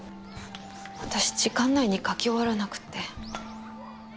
私時間内に描き終わらなくて。